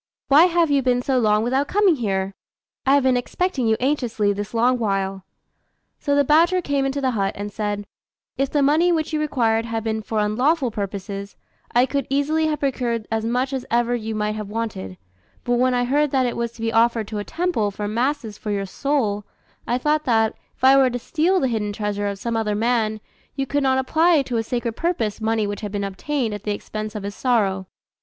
Why have you been so long without coming here? I have been expecting you anxiously this long while." So the badger came into the hut, and said, "If the money which you required had been for unlawful purposes, I could easily have procured as much as ever you might have wanted; but when I heard that it was to be offered to a temple for masses for your soul, I thought that, if I were to steal the hidden treasure of some other man, you could not apply to a sacred purpose money which had been obtained at the expense of his sorrow.